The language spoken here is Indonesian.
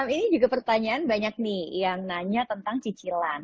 ini juga pertanyaan banyak nih yang nanya tentang cicilan